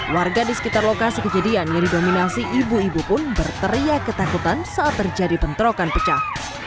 warga di sekitar lokasi kejadian yang didominasi ibu ibu pun berteriak ketakutan saat terjadi bentrokan pecah